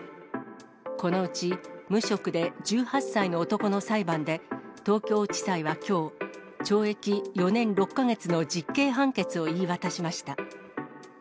このうち無職で１８歳の男の裁判で、東京地裁はきょう、懲役４年６か月の実刑判決を言い渡しました。